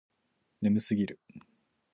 眠すぎる